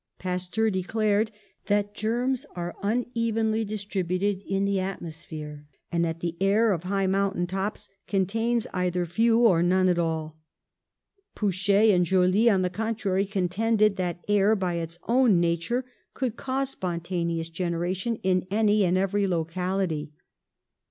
Pasteur declared that germs are unevenly distributed in the at mosphere, and that the air of high mountain tops contains either few or none at all ; Pouchet and Joly, on the contrary, contended that air, by its own nature^ could cause spontaneous ON THE ROAD TO FAME 63 generation in any and every locality.